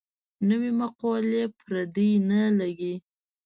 نوې مقولې پردۍ نه لګي.